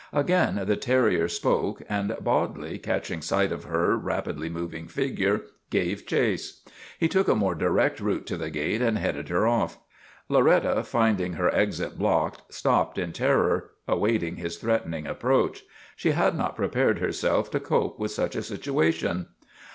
Again the terrier spoke and Bodley, catching sight of her rapidly moving figure, gave chase. He took a more direct route to the gate and headed her off. Loretta, finding her exit blocked, stopped in terror, awaiting his threatening approach. She had not prepared herself to cope with such a situation.